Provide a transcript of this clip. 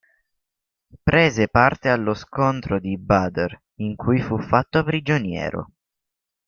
Prese parte allo scontro di Badr in cui fu fatto prigioniero.